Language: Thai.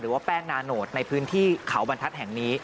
ว่าแป้งนาโนตในพื้นที่เขาบรรทัศน์แห่งนี้